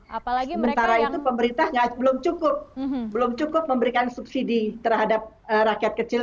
sementara itu pemerintah belum cukup belum cukup memberikan subsidi terhadap rakyat kecil